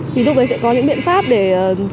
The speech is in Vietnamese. thì lúc đấy sẽ có những biện pháp để kiểm tra